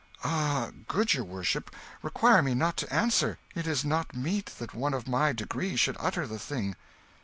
"Ah, good your worship, require me not to answer. It is not meet that one of my degree should utter the thing."